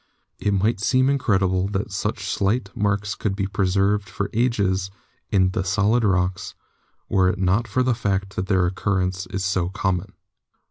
It might seem incredible that such slight marks could be preserved for ages in the solid rocks, were it not for the fact that their occurrence is so common.